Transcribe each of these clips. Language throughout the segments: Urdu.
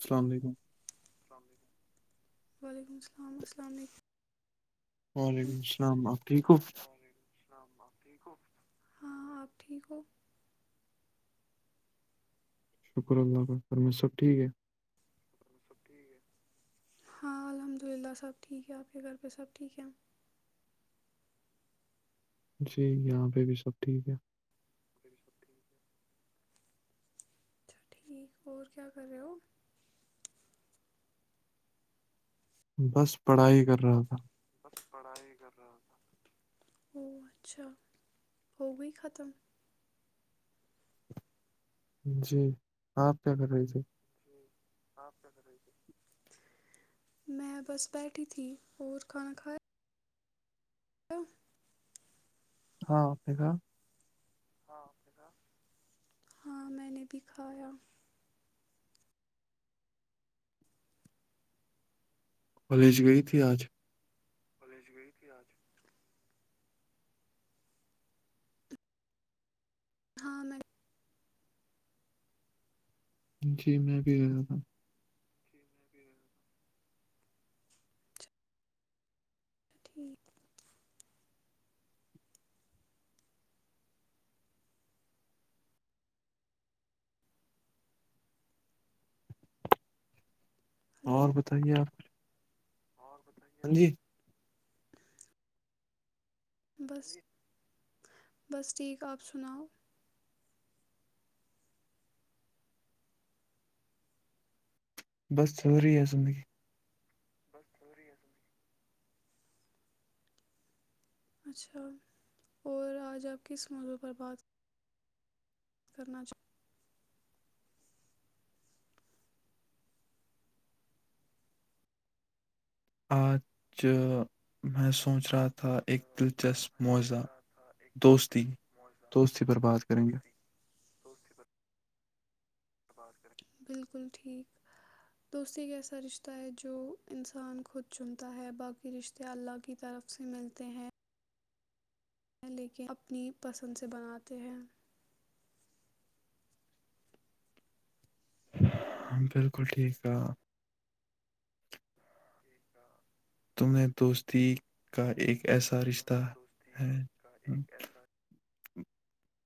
السلام علیکم [inaudible] وعلیکم السلام السلام علیکم [inaudible] وعلیکم السلام آپ ٹھیک [inaudible] وعلیکم ہاں آپ ٹھیک ہو شکر اللہ کا فر میں سب ٹھیک ہے [inaudible] سب ٹھیک ہے ہاں الحمد للہ سب ٹھیک ہے آپ کے گھر پہ سب ٹھیک ہے جی یہاں پہ بھی سب ٹھیک ہے ابھی بھی سب ٹھیک ہے اچھا ٹھیک اور کیا کرے ہو بس پڑھائی کر رہا تھا بس پڑھائی کر او اچھا ہو گئی ختم [inaudible] جی آپ کیا کر رہی تھی [inaudible] میں بس بیٹھی تھی اور کھانا کھایا [inaudible] [inaudible] ہاں او کا [inaudible] ہاں میں نے بھی کھایا [inaudible] کالج گئی تھی آج [unintelligible] کالج گئی تھی آج [unintelligible] ہاں میں جی میں بھی رہا تھا [unintelligible] ج پ [unintelligible] ٹھیک [unintelligible] اور ہلو بتائیے آپ اور بتائیے ہاں جی [unintelligible] بس بس ٹھیک آپ سناؤ [unintelligible] بس ضروری ہے زندگی [unintelligible] بس ضروری ہے سمیں [unintelligible] اچھا اور آج آپ کس موضع پر بات کریں مد کرنا چاہی [unintelligible] آج میں چاہ سوچ آج رہا تھا [unintelligible] تھا ایک دلچسپ میں موضزہ سوچ رہا تھا ایک دوستی دلچسپ موضوع دوستی برباد کریں گے [unintelligible] دوستی دوستی پر بالکل ٹھیک دوست ایک ایسا رشتہ ہے جو انسان خود چنتا ہے باقی رشتے اللہ کی طرف سے ملتے ہیں [unintelligible] ہیں لیکن اپنی پسند سے بناتے ہیں ہاں بالکل ٹھیک ہے [unintelligible] ٹھیک ہے، تم نے دوستی کا ایک ایسا کا رشتہ تمہیں دوستی ہے کا ہ ایک ایسا [unintelligible]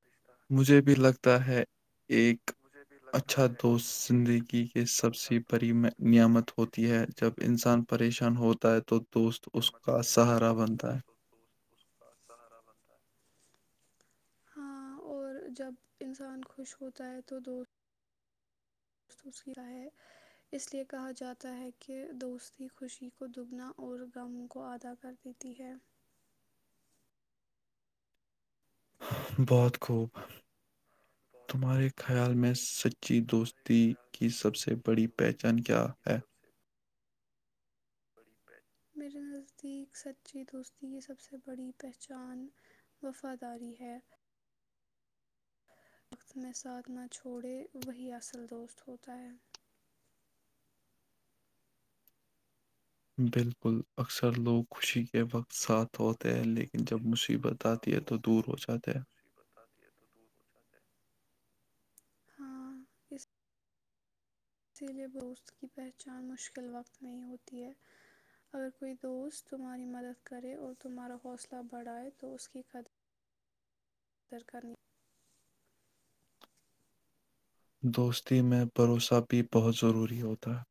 رشتہ مجھے بھی لگتا ہے [unintelligible] ایک مجھے بھی لگتا اچھا ہے دوست ایک زندگی کے سب اچھا سے بڑی دوست زندگی نعمت کے ہوتی سب ہے سے جب بڑی انسان پریشان ہو ہے تو [unintelligible] اس نعمت کا پریشان سہارا ہوتا ہے بنتا تو دوست اس کا سہارا بنتا ہے [unintelligible] ہاں اور جب انسان خوش ہوتا ہے تو دوست [unintelligible] دوست کی رائے اس لئے کہا جاتا ہے کہ دوستی خوشی کو دگنا اور غم کو ادا کر دیتی ہے [unintelligible] بہت خوب [unintelligible] بہت تمہارے خوب خیال میں [unintelligible] سچی ہمارے دوستی خیال کی میں سب سے سچی بڑی دوستی پہچان کیا کی ہے سب سے میرے نزدیک سچی دوستی یہ سب سے بڑی پہچان وفاداری ہے وقت میں ساتھ نہ چھوڑے وہی اصل دوست ہوتا ہے بالکل اکثر لوگ خوشی کے وقت ساتھ تو ہوتے اکثر ہیں لوگ لیکن جب خوشی کے وقت مصیبت آتی ہے ساتھ تو ہوتے دور ہیں ہو لیکن جاتے جب ہیں مصیبت آتی ہے تو دور ہو جاتے ہاں اس [unintelligible] اسی لئے دوست کی پہچان مشکل وقت نہیں ہوتی ہے اگر کوئی دوست تمہاری مدد کرے اور تمہارا حوصلہ بڑھائے تو اس کی قدر قدر کرنی دوستی میں بھروسہ بھی بہت ضروری ہوتا ہے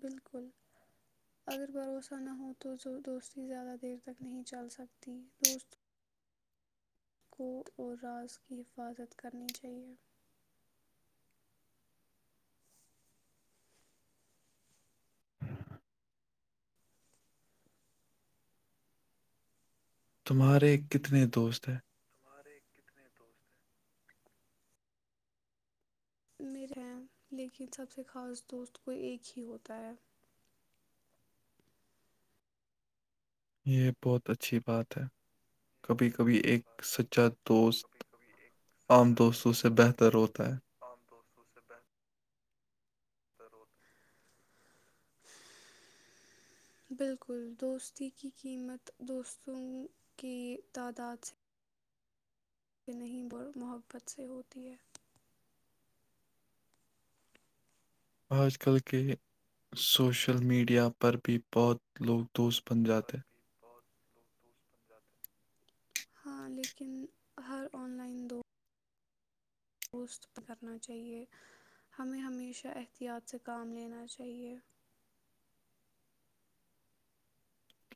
بالکل اگر بھروسہ نہ ہو تو دوستی زیادہ دیر تک نہیں چل سکتی دوست کوٹ اور راز کی حفاظت کرنی چاہیے تمہارے کتنے دوست ہیں سارے کتنے دوست ہیں [unintelligible] میر ہیں لیکن سب سے خاص دوست کوئی ایک ہی ہوتا ہے یہ بہت اچھی بات ہے یہ کبھی بہت کبھی [unintelligible] کبھی اچھی ایک بات ہے سچا دوست کبھی کبھی ایک عام سچا دوستوں سے دوست بہتر ہوتا ہے [unintelligible] عام دوستوں سے بہتر ہوتا بالکل دوستی کی قیمت دوستوں کی تعداد سے [unintelligible] یہ نہیں محبت سے ہوتی ہے آج کل کے سوشول سوشل میڈیا پر بھی [unintelligible] بہت لوگ دوست [unintelligible] بن جاتے پر [unintelligible] بھی بہت ہاں لیکن ہر آن لائن دو درست کرنا چاہیئے ہمیں ہمیشہ احتیاط سے کام لینا چاہیئے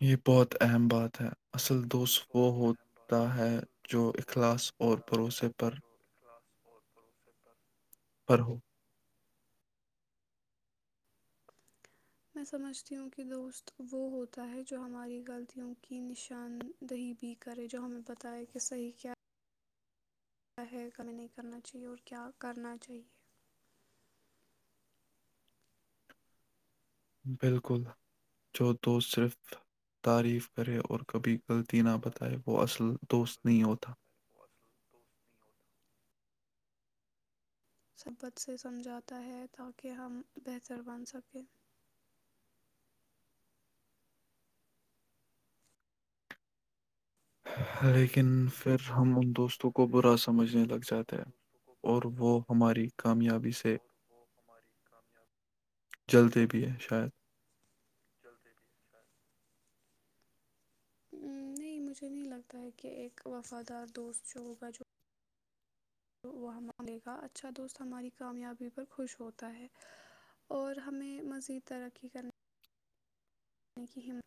یہ بہت اہم بات ہے اصل دست وہ ہوتا ہے جو اخلاص اور بھروسے پر اور پرڑوس پر [unintelligible] پرر ہو [unintelligible] میں سمجھتی ہوں کہ دوست وہ ہوتا ہے جو ہماری غلطیوں کی نشاندہی بھی کرے جو ہمیں بتائےیں کہ صحیح کیا [unintelligible] کیا ہے کمی نہیں کرنا چاہیئے اور کیا کرنا چاہیئے بالکل جو دوست صرف تعریف کرے اور کبھی غلطی نہ بتائے وہ اصل دوست نہیں ہوتا سبت سے سمجھاتا ہے تاکہ ہم بہتر بن سکیں لیکن پھر ہم ان دوستوں کو برا سمجھنے لگ جاتے ہیں کو اور برا وہ سمجھنے لگتا ہماری ہے کامیابی سے اور وہ ہماری کامیاب جلدی بھی ہے شاید نہیں مجھے نہیں لگتا ہے کہ ایک وفادار دوست جو ہوگا جو تو وہ مانگے گا اچھا دوست ہماری کامیابی پر خوش ہوتا ہے اور ہمیں مزید ترقی کرنا یعنی کی ہمت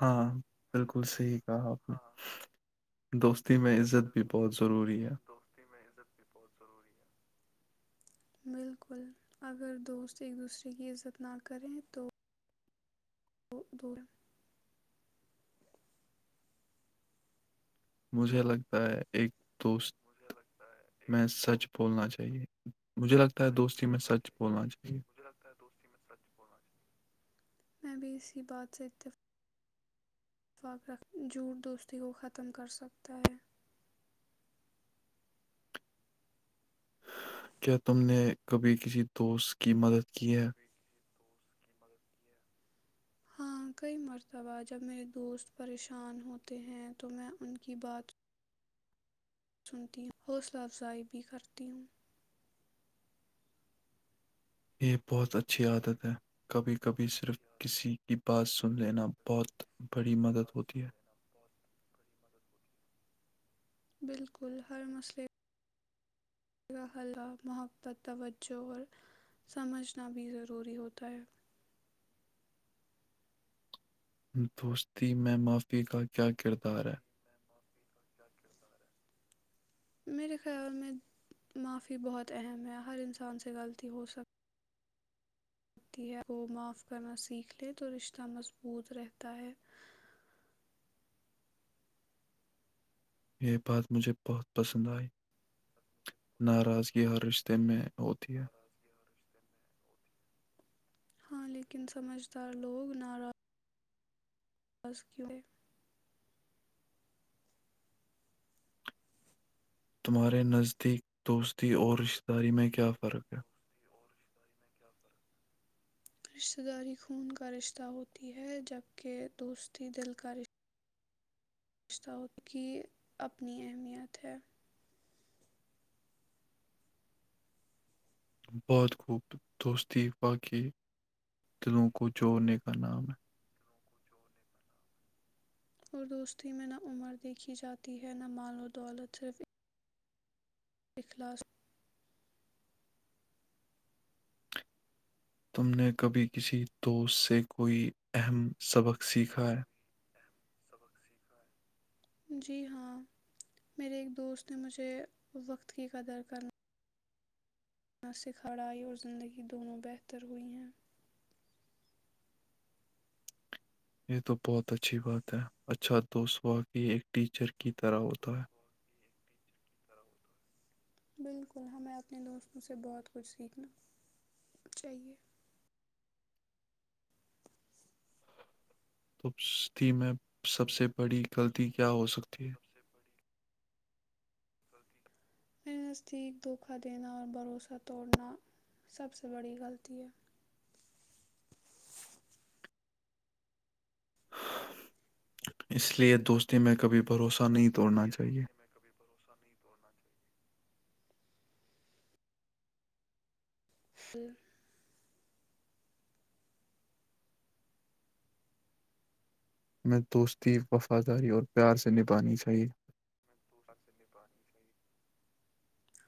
ہاں بالکل صحی کہا اپ نے دوستی میں عزت بھی بہت ضروری ہے بالکل اگر دوست ایک دوسرے کی عزت نہ کریں تو دورم مجھے لگتا ہے ایک دوست میں سچ بولنا چاہیے مجھے لگتا ہے دوستی میں سچ بولنا چاہیے میں بھی اسی بات سے جھوٹ دوستی کو ختم کرسکتا ہے کیا تم نے کبھی کسی دوست کی مدد کی ہے ہاں کئی مرتبہ جب میرے دوست پریشان ہوتے ہیں تو میں ان کی بات سنتی ہ حوصلہ افزائی بھی کرتی ہوں یہ بہت اچھی عادت ہے کبھی کبھی صرف کسی کی بات سن لینا بہت بڑی مدد ہوتی ہے بالکل ہر مسل آ کا خلا محبت توجہ اور سمجھنا بھی ضروری ہوتا ہے دوستی میں معافی کا کیا کردار ہے میرے خیال میں معافی بہت اہم ہے ہر انسان سے غلطی ہو سکے ہوتی ہے وہ معاف کرنا سیکھ لے تو رشتہ مضبوط رہتا ہے یہ بات مجھے بہت پسند آئی ناراضگی ہر رشتے میں ہوتی ہے [unintelligible] ہاں لیکن سمجھدار لوگ ناراض [unintelligible] آاز کیوں ہے؟ تمہارے نزدیک دوستی اور رشتہ داری میں کیا فرق ہے [unintelligible] رشتہ داری خون کا رشتہ ہوتی ہے جبکہ دوستی دل کا رشہ [unintelligible] گشتوں کی اپنی اہمیت ہے [unintelligible] بعہت خوب دوستی واقع دلوں کو جوڑنے کا نام ہے اور دوستی میں نہ عمر دیکھی جاتی ہے نہ مال و دولت صرف [unintelligible] اخلاص [unintelligible] تم نے کبھی کسی دوست سے کوئی اہم سبق سیکھا ہے [unintelligible] جی ہاں میرے ایک دوست نے مجھے وقت کی قدر کرنا [unintelligible] مناسکھڑھائی اور زندگی دونوں بہتر ہوئی ہیں [unintelligible] یہ تو بہت اچھی بات ہے اچھا دوست ہواقع ایک ٹیچر کی طرح ہوتا ہے [unintelligible] بالکل ہمیں اپنے دوستوں سے بہت کچھ سیکھنا چاہیے [unintelligible] توستی میں سب سے بڑی غلطی کیا ہو سکتی ہے [unintelligible] میرے نزدیک دھوکا دینا اور بھروسہ توڑنا سب سے بڑی غلطی ہے [unintelligible] اس لے دوستی میں کبھی بھروسہ نہیں تھا [unintelligible] اس لیے دوست میں کبھی بھروسہ نہیں [unintelligible] ہ [unintelligible] ہمیں دوستی وفاداری اور پیار سے نبھانی چاہیے [unintelligible]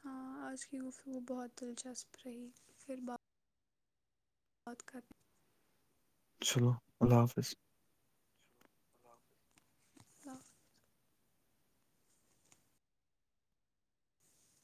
ہاں آج کی گفتگو بہت دلچسپ رہی پھر ب بہت کط [unintelligible] چلو اللہ حافظ [unintelligible] تو [unintelligible]